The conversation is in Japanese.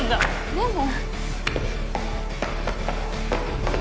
でも。